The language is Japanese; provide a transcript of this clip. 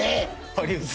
ハリウッド